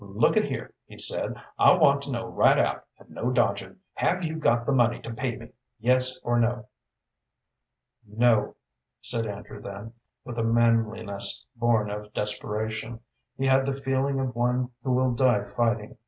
"Look at here," he said, "I want to know right out, and no dodging. Have you got the money to pay me yes or no?" "No," said Andrew then, with a manliness born of desperation. He had the feeling of one who will die fighting.